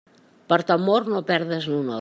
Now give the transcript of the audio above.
Per temor, no perdes l'honor.